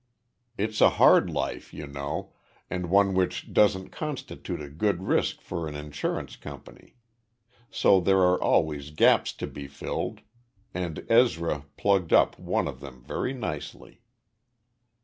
It's a hard life, you know, and one which doesn't constitute a good risk for an insurance company. So there are always gaps to be filled and Ezra plugged up one of them very nicely.